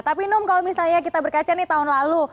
tapi num kalau misalnya kita berkaca nih tahun lalu